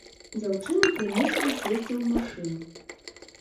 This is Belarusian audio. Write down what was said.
Дзяўчыну прымусілі сесці ў машыну.